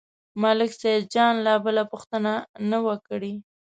ملک سیدجان لا بله پوښتنه نه وه کړې.